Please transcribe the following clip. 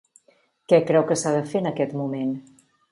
Què creu que s'ha de fer en aquest moment?